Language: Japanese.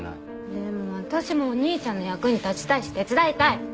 でも私もお兄ちゃんの役に立ちたいし手伝いたい。